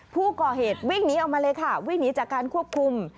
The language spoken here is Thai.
ผู้ก่อเหตุวิ่งหนีออกมาเลยค่ะวิ่งหนีจากการควบคุม